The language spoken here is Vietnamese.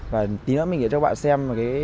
và tí nữa mình sẽ cho các bạn xem